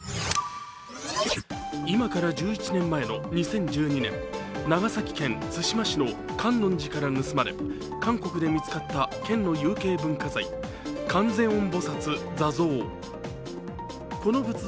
今から１１年前の２０１２年、長崎県対馬市の観音寺から盗まれ韓国で見つかった県の有形文化財、観世音菩薩坐像。